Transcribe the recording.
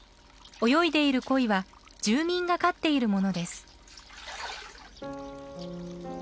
泳いでいるコイは住民が飼っているものです。